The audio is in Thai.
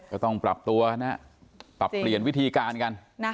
ก็ต้องปรับตัวกันนะปรับเปลี่ยนวิธีการกัน